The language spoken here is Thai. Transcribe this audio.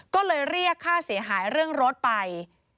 ก็เลยเรียกค่าเสียหายเรื่องรถไป